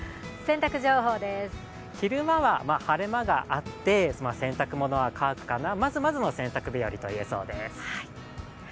昼間は晴れ間があって洗濯物は乾くかな、まずまずの洗濯日和といえそうです。